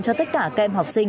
cho tất cả các em học sinh